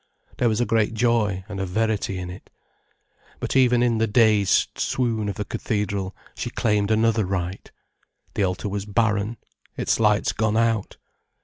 There was a great joy and a verity in it. But even in the dazed swoon of the cathedral, she claimed another right. The altar was barren, its lights gone out.